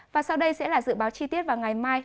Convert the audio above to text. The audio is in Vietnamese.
và sau đây sẽ là dự báo chi tiết vào ngày mai